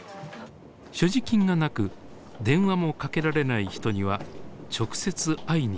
所持金がなく電話もかけられない人には直接会いに出かけます。